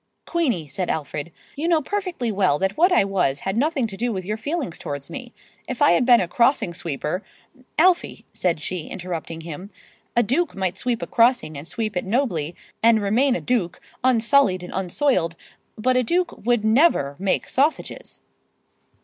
"Queenie," said Alfred, "you know perfectly well that what I was had nothing to do with your feelings towards me. If I had been a crossing sweeper—" [Pg 116]"Alfie," said she, interrupting him, "a duke might sweep a crossing and sweep it nobly, and remain a duke, unsullied and unsoiled; but a duke would never make sausages!"